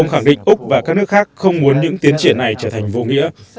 hiệp định úc và các nước khác không muốn những tiến triển này trở thành vô nghĩa